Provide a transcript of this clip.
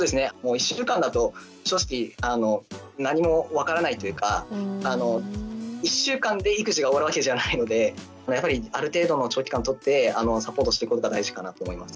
１週間だと正直何も分からないというか１週間で育児が終わるわけじゃないのでやっぱりある程度の長期間を取ってサポートしていくことが大事かなと思います。